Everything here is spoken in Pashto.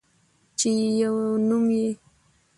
چې يو نوم يې